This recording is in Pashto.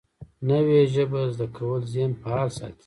نوې ژبه زده کول ذهن فعال ساتي